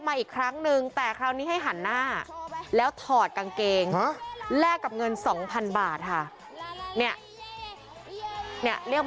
หันหน้าด้วย